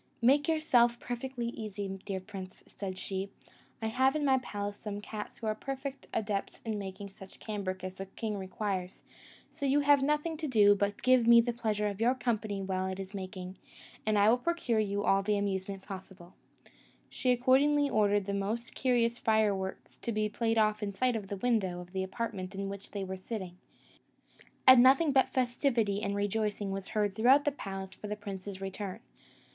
"Make yourself perfectly easy, dear prince," said she; "I have in my palace some cats who are perfect adepts in making such cambric as the king requires; so you have nothing to do but to give me the pleasure of your company while it is making, and I will procure you all the amusement possible." She accordingly ordered the most curious fire works to be played off in sight of the window of the apartment in which they were sitting; and nothing but festivity and rejoicing was heard throughout the palace for the prince's return.